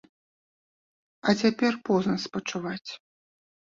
А цяпер позна спачуваць.